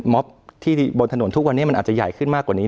ที่บนถนนทุกวันนี้มันอาจจะใหญ่ขึ้นมากกว่านี้